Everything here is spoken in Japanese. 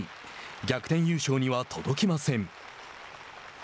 逆転優勝には届きません。